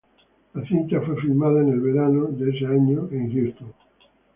La cinta fue filmada en el verano de ese año en Houston.